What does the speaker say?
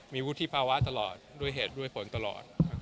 มีวุฒิภาวะตลอดด้วยเหตุด้วยผลตลอด